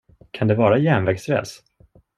Kan det vara järnvägsräls?